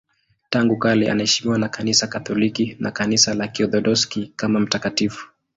Tangu kale anaheshimiwa na Kanisa Katoliki na Kanisa la Kiorthodoksi kama mtakatifu.